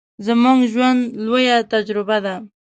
زموږ ژوند، لويه تجربه ده.